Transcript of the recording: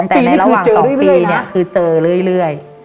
แต่ในระหว่าง๒ปีเนี่ยคือเจอเรื่อย